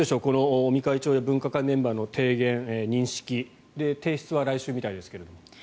尾身会長、分科会のメンバーの提言、認識提出は来週みたいですが。